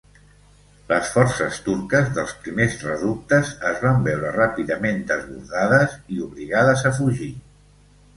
Les forces turques dels primers reductes es van veure ràpidament desbordades i obligades a fugir.